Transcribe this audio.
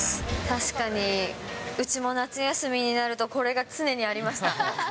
確かに、うちも夏休みになると、これが常にありました。